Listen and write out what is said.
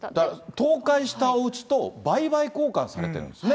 倒壊したおうちと売買交換されてるんですね。